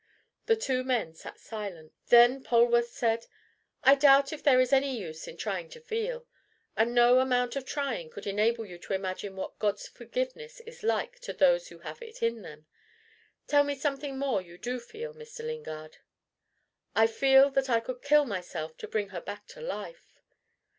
The two men sat silent. Then Polwarth said: "I doubt if there is any use in trying to feel. And no amount of trying could enable you to imagine what God's forgiveness is like to those that have it in them. Tell me something more you do feel, Mr. Lingard." "I feel that I could kill myself to bring her back to life."